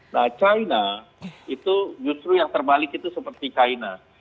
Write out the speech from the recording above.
nah china itu justru yang terbalik itu seperti china